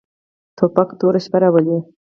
توپک توره شپه راولي.